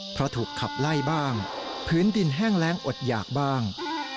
เพราะถูกขับไล่บ้างพื้นดินแห้งแรงอดหยากบ้าง